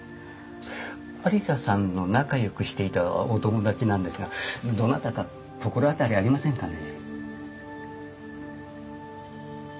愛理沙さんの仲よくしていたお友達なんですがどなたか心当たりありませんかね？